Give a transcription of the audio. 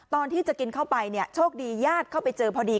ตอนที่จะกินเข้าไปเนี่ยโชคดีญาติเข้าไปเจอพอดี